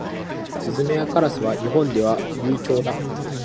スズメやカラスは日本では留鳥だ。